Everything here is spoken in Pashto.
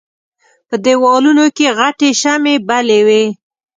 په دېوالونو کې غټې شمعې بلې وې.